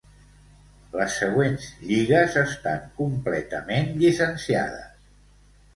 Les següents lligues estan completament llicenciades.